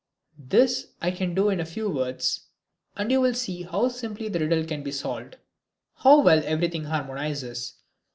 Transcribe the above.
This I can do in a few words and you will see how simply the riddle can be solved, how well everything harmonizes.